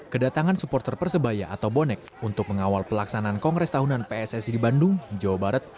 kedatangan supporter persebaya atau bonek untuk mengawal pelaksanaan kongres tahunan pssi di bandung jawa barat